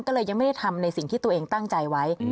ก็เลยยังไม่ได้ทำในสิ่งที่ตัวเองตั้งใจไว้